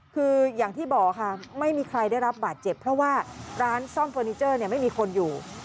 คืออย่างที่บอกค่ะไม่มีใครได้รับบาดเจ็บเพราะว่าร้านซ่อมเฟอร์นิเจอร์ไม่มีคนอยู่